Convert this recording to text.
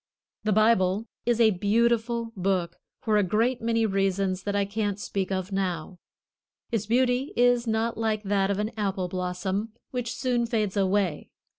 The Bible is a beautiful book for a great many reasons that I can't speak of now. Its beauty is not like that of an apple blossom, which soon fades away.